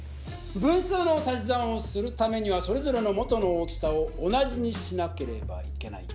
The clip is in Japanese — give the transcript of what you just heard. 分数の足し算をするためにはそれぞれの元の大きさを同じにしなければいけない。